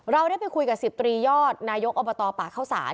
เราได้ไปคุยกับ๑๐ตรียอดนายกอบตป่าเข้าสาร